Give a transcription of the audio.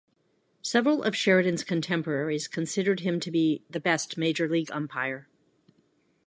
Several of Sheridan's contemporaries considered him to be the best major league umpire.